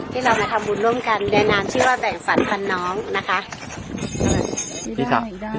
ที่เรามาทำบุญร่วมกันในนามชื่อว่าแบ่งฝันพันน้องนะคะ